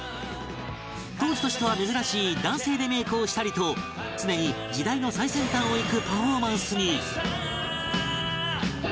当時としては珍しい男性でメイクをしたりと常に時代の最先端をいくパフォーマンスに